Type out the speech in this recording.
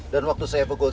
dan waktu saya pegang